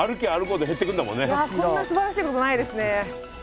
いやこんなすばらしいことないですね。